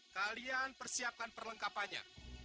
kalian persiapkan perlengkapannya